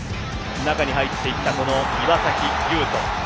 中に入っていった岩崎悠人。